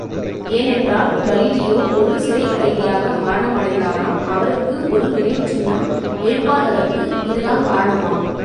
ஏனென்றால், கலீலியோ ஒரு சிறைக் கைதியாக மரணமடைந்தாராம் அவருக்கு ஒரு நினைவுச் சின்னம் எழுப்பாததற்கு இது தான் காரணமாம்!